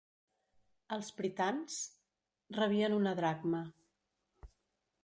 Els pritans rebien una dracma.